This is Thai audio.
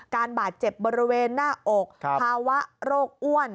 การบาดเจ็บบริเวณหน้าอกภาวะโรคอ้วน